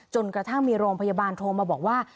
จนกระทั่งมีโรงพยาบาลโทรมาบอกว่า